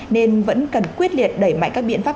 nên vẫn cần quyết liệt đẩy mạnh các biện pháp